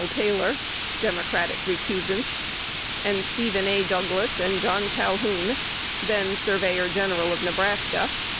Taylor (Democratic recusants), and Stephen A. Douglas and John Calhoun (then Surveyor General of Nebraska).